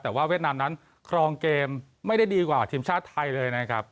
แต่ว่าเวียดนามนั้นครองเกมไม่ได้ดีกว่าทีมชาติไทยเลยนะครับ